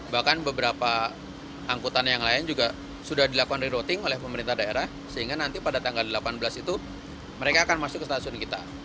bahkan beberapa angkutan yang lain juga sudah dilakukan rerouting oleh pemerintah daerah sehingga nanti pada tanggal delapan belas itu mereka akan masuk ke stasiun kita